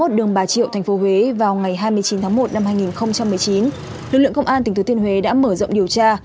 ở đường bà triệu thành phố huế vào ngày hai mươi chín tháng một năm hai nghìn một mươi chín lực lượng công an tỉnh thứ thiên huế đã mở rộng điều tra